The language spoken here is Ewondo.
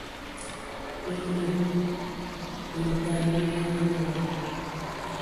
Mə anə mintag yi ayen wɔ!